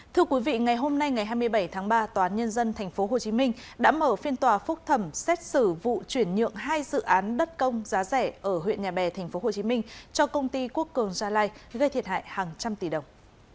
thưa quý vị ngày hôm nay ngày hai mươi bảy tháng ba tòa án nhân dân tp hcm đã mở phiên tòa phúc thẩm xét xử vụ chuyển nhượng hai dự án đất công giá rẻ ở huyện nhà bè tp hcm cho công ty quốc cường gia lai gây thiệt hại hàng trăm tỷ đồng